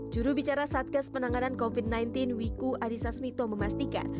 jurubicara satgas penanganan covid sembilan belas wiku adhisa smito memastikan